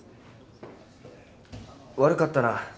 悪かったな。